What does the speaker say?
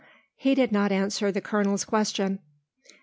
He did not answer the colonel's question.